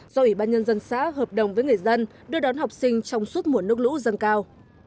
do ủy ban nhân dân xã hợp đồng với người dân đưa đón học sinh trong suốt mùa nước lũ dâng cao